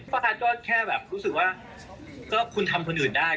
ประชาชนก็แค่รู้สึกว่าคุณทำคนอื่นได้